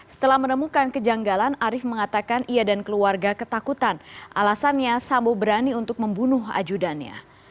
setelah menemukan kejanggalan arief mengatakan ia dan keluarga ketakutan alasannya sambo berani untuk membunuh ajudannya